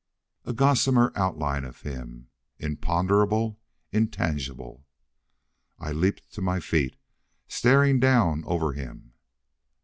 A gossamer outline of him, imponderable, intangible. I leaped to my feet, staring down over him.